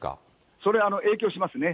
それは影響しますね。